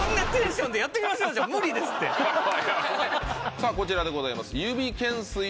さぁこちらでございます。